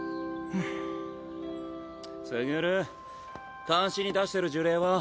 ちっ傑監視に出してる呪霊は？